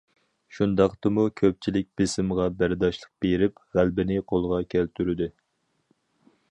شۇنداقتىمۇ كۆپچىلىك بېسىمغا بەرداشلىق بېرىپ، غەلىبىنى قولغا كەلتۈردى.